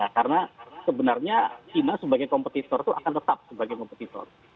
karena sebenarnya china sebagai kompetitor itu akan tetap sebagai kompetitor